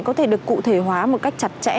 có thể được cụ thể hóa một cách chặt chẽ